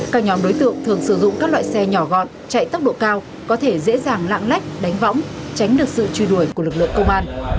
các nhóm đối tượng thường sử dụng các loại xe nhỏ gọn chạy tốc độ cao có thể dễ dàng lạng lách đánh võng tránh được sự truy đuổi của lực lượng công an